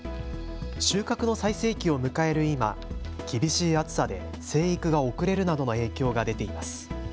収穫の最盛期を迎える今、厳しい暑さで生育が遅れるなどの影響が出ています。